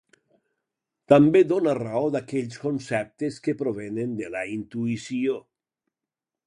També dóna raó d'aquells conceptes que provenen de la intuïció.